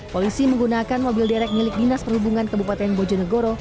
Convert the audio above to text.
polisi menggunakan mobil direct milik dinas perhubungan kebupaten bojonegoro